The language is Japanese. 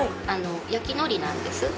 焼き海苔なんです。